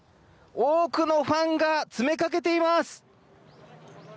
多くのファンが詰めかけています。